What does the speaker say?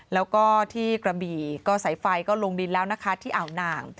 แล้วก็ที่กระบี่ก็สายไฟก็ลงดินแล้วนะคะที่อ่าวนาง